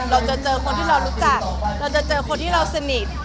เราจะเจอคนที่เรารู้จักเราจะเจอคนที่เราสนิท